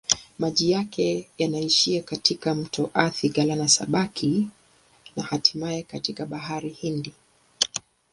Maji yake yanaishia katika mto Athi-Galana-Sabaki na hatimaye katika Bahari ya Hindi.